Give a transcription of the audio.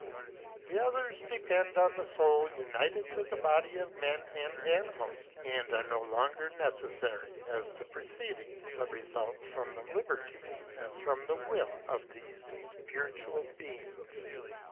The others depend on the foul, united to the body of men and animals, and are no longer neceffary, as the preceding, but refult from the liberty, as from the will, of thefe fpi ritual beings.